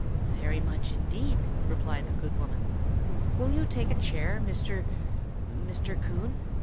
"Very much indeed!" replied the good woman. "Will you take a chair, Mr.—Mr. Coon?"